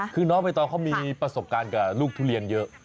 คือน้องใบตองเขามีประสบการณ์กับลูกทุเรียนเยอะ